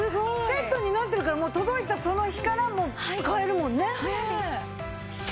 セットになってるからもう届いたその日から使えるもんね！